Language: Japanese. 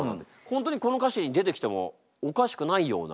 本当にこの歌詞に出てきてもおかしくないような。